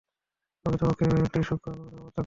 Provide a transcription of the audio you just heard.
প্রকৃত পক্ষে এ একটি সূক্ষ্ম ও গুরুত্বপূর্ণ পার্থক্য।